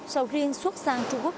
sầu riêng xuất sang trung quốc